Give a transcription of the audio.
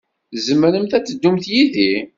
Tzemremt ad teddumt yid-i.